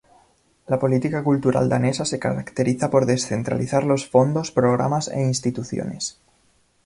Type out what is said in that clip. La política cultural danesa se caracteriza por descentralizar los fondos, programas e instituciones.